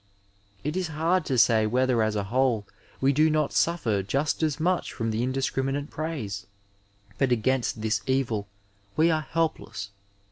It is hard to say whether as a whole we do not sufEer just as much from the indiscriminate praise. But against this evil we are helpless.